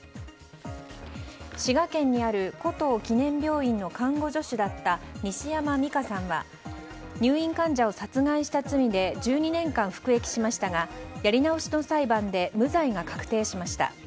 滋賀県にある湖東記念病院の看護助手だった西山美香さんは入院患者を殺害した罪で１２年間服役しましたがやり直しの裁判で無罪が確定しました。